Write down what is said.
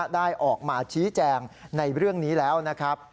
ได้ออกมาชี้แจงในเรื่องนี้แล้วนะครับ